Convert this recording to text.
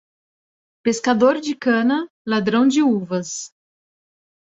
Pescador de cana, ladrão de uvas.